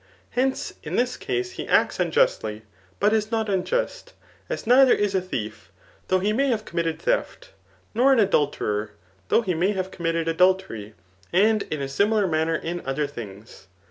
Hence, in tlus cas^ he acts unjustly, but is not unjust ; as neither b a thief, though he may have committed theft ; nor aa adulterer, though he may have committed adultery; and in a,^nular manner in other things.